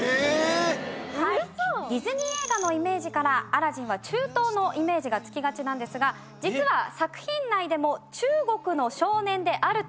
ディズニー映画のイメージからアラジンは中東のイメージがつきがちなんですが実は作品内でも中国の少年であると記述があります。